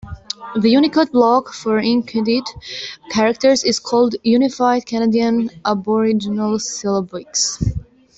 The Unicode block for Inuktitut characters is called Unified Canadian Aboriginal Syllabics.